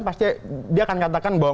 pasti dia akan katakan bahwa